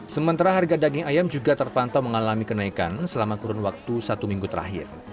sementara harga daging ayam juga terpantau mengalami kenaikan selama kurun waktu satu minggu terakhir